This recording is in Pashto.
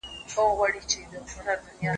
چارواکي به نوي تړونونه لاسلیک کړي.